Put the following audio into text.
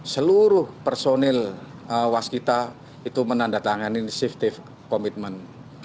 seluruh personil waskita itu menandatangani safety commitment